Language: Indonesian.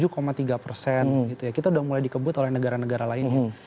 kita udah mulai dikebut oleh negara negara lain